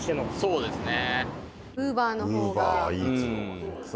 そうですね。